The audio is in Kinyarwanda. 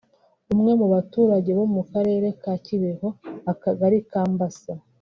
umwe mu baturage bo mu Murenge wa Kibeho Akagari ka Mbasa